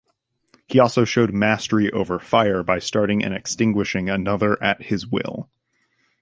He also showed mastery over fire by starting and extinguishing another at his will.